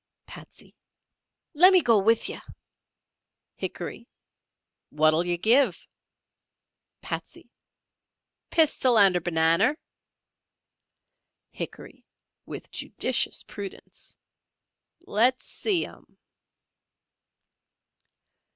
Patsey. "Lemme go with yer!" Hickory. "Wot'll yer giv?" Patsey. "Pistol and er bananer." Hickory (with judicious prudence). "Let's see 'em."